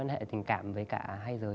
mối quan hệ tình cảm với cả hai giới